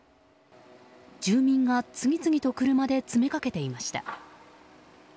住民が次々と車で詰めかけていました。